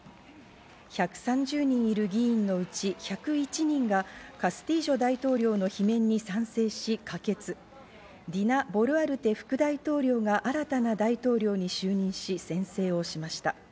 １３０人いる議員のうち１０１人がカスティージョ大統領の罷免に賛成し可決、ディナ・ボルアルテ副大統領が新たな大統領に就任し、宣誓をしました。